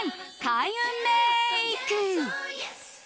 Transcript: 開運メイク。